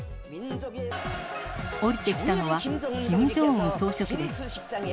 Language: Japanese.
降りてきたのは、キム・ジョンウン総書記です。